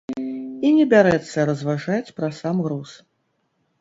І не бярэцца разважаць пра сам груз.